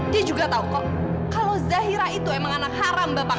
dia juga tahu kok kalau zahira itu emang anak haram bapak